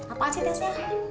apaan sih tesnya